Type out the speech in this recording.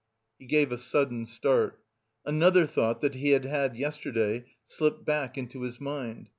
He gave a sudden start; another thought, that he had had yesterday, slipped back into his mind.